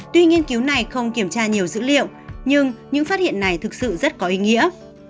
tuy nghiên cứu này không kiểm tra nhiều dữ liệu nhưng những phát hiện này thực sự rất có ý nghĩa